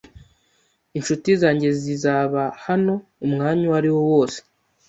Inshuti zanjye zizaba hano umwanya uwariwo wose.